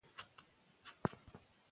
لیکوال اجازه لري اصلاح وکړي.